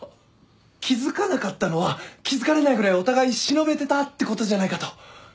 気付かなかったのは気付かれないぐらいお互い忍べてたってことじゃないかと。